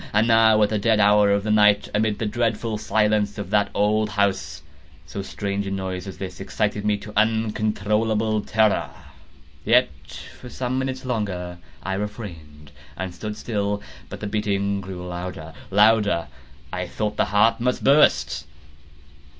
And now at the dead hour of the night, amid the dreadful silence of that old house, so strange a noise as this excited me to uncontrollable terror. Yet, for some minutes longer I refrained and stood still. But the beating grew louder, louder! I thought the heart must burst.